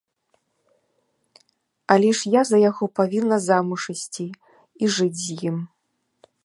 Але ж я за яго павінна замуж ісці і жыць з ім.